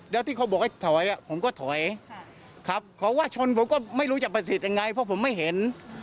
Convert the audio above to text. แล้วที่เขาบอกให้ถอยผมก็ถอยครับเขาว่าชนผมก็ไม่รู้จะประสิทธิ์ยังไงเพราะผมไม่เห็น